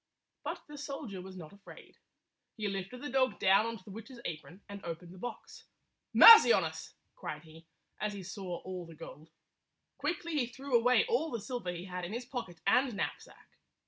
But the soldier was not afraid. He lifted the dog down on to the witch's apron and opened the box. "Mercy on us!" cried he, as he saw all the gold. Quickly he threw away all the silver he had in his pocket and knapsack.